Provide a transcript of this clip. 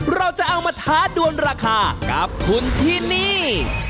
เราจะเอามาท้าดวนราคากับคุณที่นี่